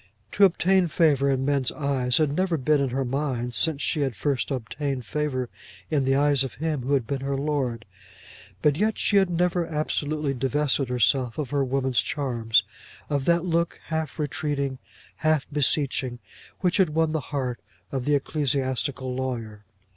To obtain favour in men's eyes had never been in her mind since she had first obtained favour in the eyes of him who had been her lord; but yet she had never absolutely divested herself of her woman charms, of that look half retreating, half beseeching, which had won the heart of the ecclesiastical lawyer.